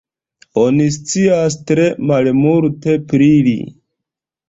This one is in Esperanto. Oni scias tre malmulte pri li.